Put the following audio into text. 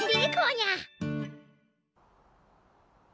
ニャ！